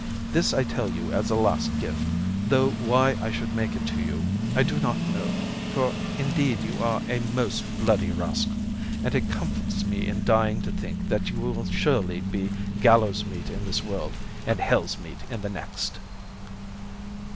This I tell you as a last gift, though why I should make it to you I do not know, for indeed you are a most bloody rascal, and it comforts me in dying to think that you will surely be gallow's meat in this world, and hell's meat in the next."